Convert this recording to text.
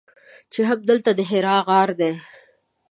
چې همدلته د حرا غار دی.